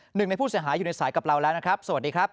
หนึ่งในผู้เสียหายอยู่ในสายกับเราแล้วนะครับสวัสดีครับ